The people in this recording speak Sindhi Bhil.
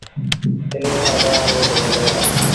ڪلي کآݩ ٻآ روڊ نڪريݩ دآ۔